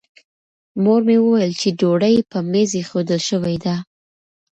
مور مې وویل چې ډوډۍ په مېز ایښودل شوې ده.